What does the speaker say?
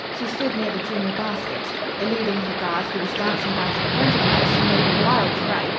She stood near the junior basket. Eluding her guard, who was dancing about in front of her, she made a wild throw.